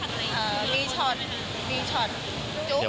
มีช็อตมีช็อต